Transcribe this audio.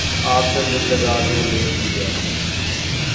آپ سے دل لگا کے دیکھ لیا